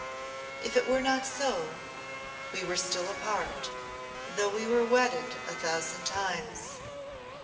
If it were not so, we were still apart, though we were wedded a thousand times.